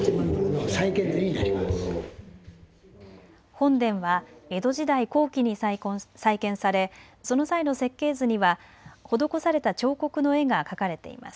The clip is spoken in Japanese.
本殿は江戸時代後期に再建されその際の設計図には施された彫刻の絵が描かれています。